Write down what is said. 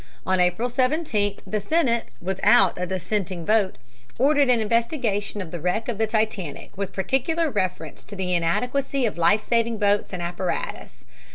On April 17th the Senate, without a dissenting vote, ordered an investigation of the wreck of the Titanic, with particular reference to the inadequacy of life saving boats and apparatus.